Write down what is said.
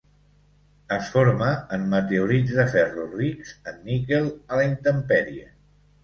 Es forma en meteorits de ferro rics en níquel a la intempèrie.